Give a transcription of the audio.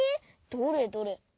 どれどれ。